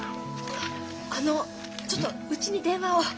あっあのちょっとうちに電話を。